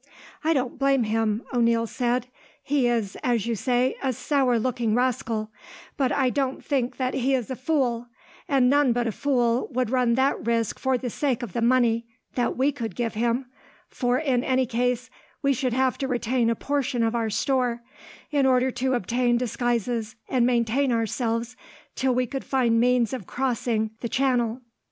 "I don't blame him," O'Neil said. "He is, as you say, a sour looking rascal, but I don't think that he is a fool, and none but a fool would run that risk for the sake of the money that we could give him; for, in any case, we should have to retain a portion of our store, in order to obtain disguises and maintain ourselves till we could find means of crossing the channel."